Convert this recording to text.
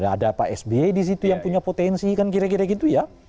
ada pak sbi di situ yang punya potensi kan kira kira gitu ya